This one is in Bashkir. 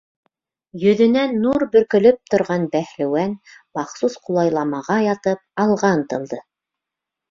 Йөҙөнән нур бөркөлөп торған бәһлеүән, махсус ҡулайламаға ятып, алға ынтылды.